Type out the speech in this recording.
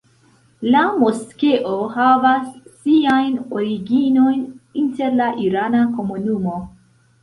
La moskeo havas siajn originojn inter la irana komunumo.